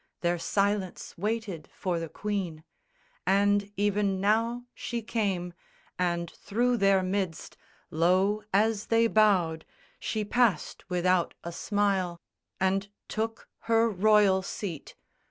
Their silence waited for the Queen: And even now she came; and through their midst, Low as they bowed, she passed without a smile And took her royal seat.